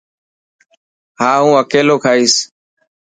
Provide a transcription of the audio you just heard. ها هون اڪيلو کائيس.